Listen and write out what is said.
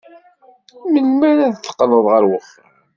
Melmi ara d-teqqled ɣer uxxam?